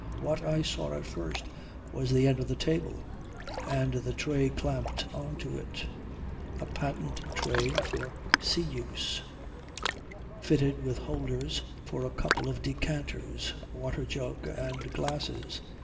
What I saw at first was the end of the table and the tray clamped on to it, a patent tray for sea use, fitted with holders for a couple of decanters, water jug and glasses.